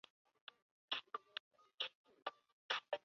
世居海盐县沈荡半逻村。